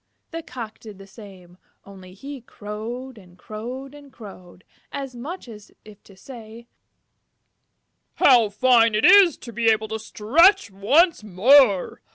The Cock did the same, only he crowed and crowed and crowed, as much as to say, "How fine it is to be able to stretch once more!